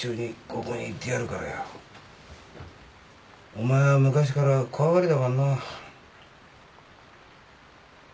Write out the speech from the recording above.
お前は昔から怖がりだからな。